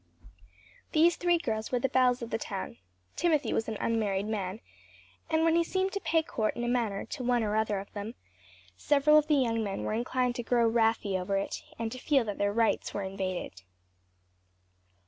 These three girls were the belles of the town; Timothy was an unmarried man, and when he seemed to pay court in a manner, to one or another of them, several of the young men were inclined to grow wrathy over it, and to feel that their rights were invaded.